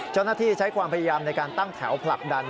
เจ้าหน้าที่ใช้ความพยายามในการตั้งแถวผลับดัน